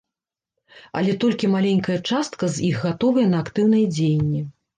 Але толькі маленькая частка з іх гатовая на актыўныя дзеянні.